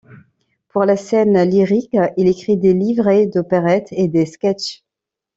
Pour la scène lyrique, il écrit des livrets d'opérette et des sketches.